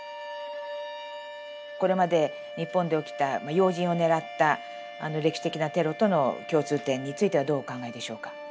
これまで日本で起きた要人を狙った歴史的なテロとの共通点についてはどうお考えでしょうか？